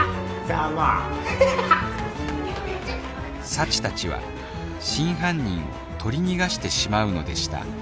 幸たちは真犯人を取り逃がしてしまうのでした。